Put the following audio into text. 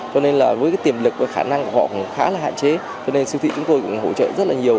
cho nên là với tiềm lực và khả năng họ khá là hạn chế cho nên siêu thị chúng tôi cũng hỗ trợ rất là nhiều